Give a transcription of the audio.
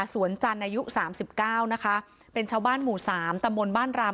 สวนจันทร์อายุสามสิบเก้านะคะเป็นชาวบ้านหมู่สามตำบลบ้านราม